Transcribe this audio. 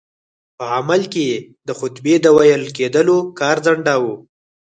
په عمل کې یې د خطبې د ویل کېدلو کار ځنډاوه.